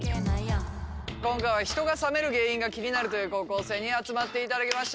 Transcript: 今回は人が冷める原因が気になるという高校生に集まっていただきました。